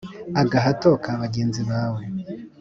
agahato ka bagenzi bawe